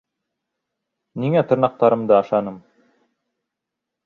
Ниңә тырнаҡтарымды ашаным?..